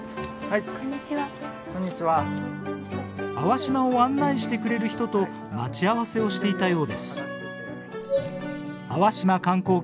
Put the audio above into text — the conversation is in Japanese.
粟島を案内してくれる人と待ち合わせをしていたようです。